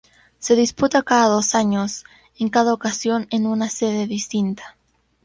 Se disputa cada dos años, en cada ocasión en una sede distinta.